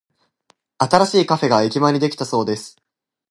新しいカフェが駅前にできたそうです。